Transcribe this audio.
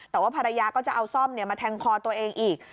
แต่ว่าภรรยาก็จะเอาซ่อมมาแทงคอตัวเองอีก